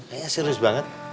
kayaknya serius banget